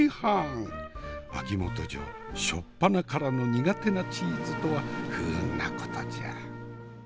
秋元嬢初っぱなからの苦手なチーズとは不運なことじゃ。